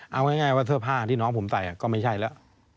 เอาง่ายว่าเสื้อผ้าที่น้องผมใส่ก็ไม่ใช่แล้ว